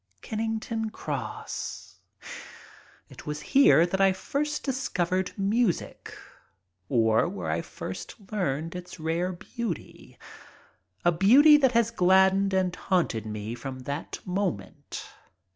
Kennington Cross. It was here that I first discovered music, or where I first learned its rare beauty, a beauty that has gladdened and haunted me from that moment.